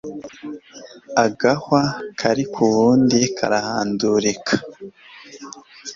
agahwa kari k'uwundi karahandurika